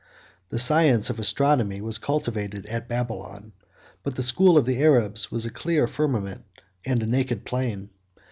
The science of astronomy was cultivated at Babylon; but the school of the Arabs was a clear firmament and a naked plain.